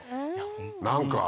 何か。